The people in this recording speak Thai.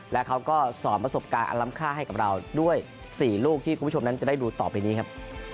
และเขาก็สอนประสบการณ์อล้ำค่าให้กับเราด้วย๔ลูกที่คุณผู้ชมนั้นจะได้ดูต่อไปนี้ครับ